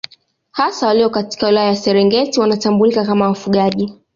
Hasa walio katika wilaya ya Serengeti wanatambulika kama wafugaji